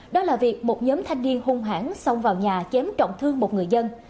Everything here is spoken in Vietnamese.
đó là việc một nhóm thanh niên hung hãng xông vào nhà chém trọng thương một người dân